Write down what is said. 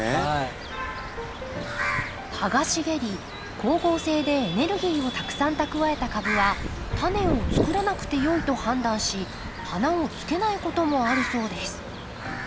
葉が茂り光合成でエネルギーをたくさん蓄えた株はタネをつくらなくてよいと判断し花をつけないこともあるそうです。